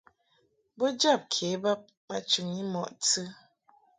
Bo jab ke bab ma chɨŋni mɔʼ tɨ.